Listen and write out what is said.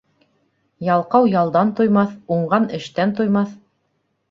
Ялҡау ялдан туймаҫ, уңған эштән туймаҫ.